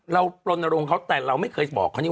เราดูดเกี่ยวกันแต่ไม่เคยบอกคือ